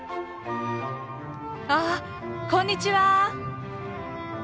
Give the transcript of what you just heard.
あこんにちは！